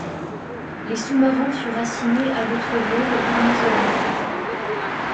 Les sous-marins furent assignés à d'autres rôles ou mis au rancard.